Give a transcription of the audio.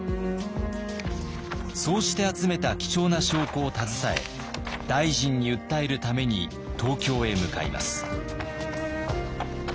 そうして集めた貴重な証拠を携え大臣に訴えるために東京へ向かいます。